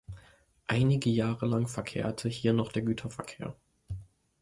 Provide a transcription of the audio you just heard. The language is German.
Einige Jahre lang verkehrte hier noch der Güterverkehr.